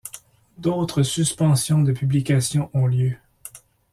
D'autres suspensions de publication ont lieu.